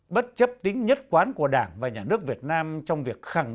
bất chấp tính nhất quán của đảng và nhà nước việt nam trong việc hướng dẫn